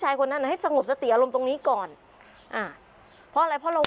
ชาวบ้านก็เป็นวัดนิดนึงนะคะวัดประธุมภนาราม